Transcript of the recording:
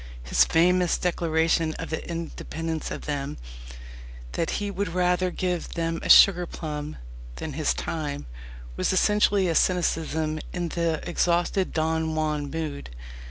His famous declaration of independence of them that he would rather give them a sugar plum than his time was essentially a cynicism in the exhausted Don Juan mood.